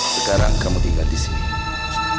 sekarang kamu tinggal disini